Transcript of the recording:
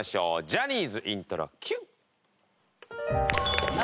ジャニーズイントロＱ！